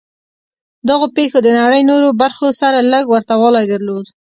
دغو پېښو د نړۍ نورو برخو سره لږ ورته والی درلود